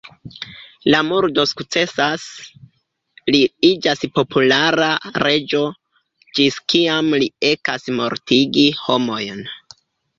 La murdo sukcesas, li iĝas populara reĝo, ĝis kiam li ekas mortigi homojn.